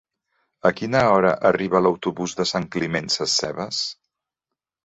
A quina hora arriba l'autobús de Sant Climent Sescebes?